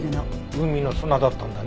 海の砂だったんだね。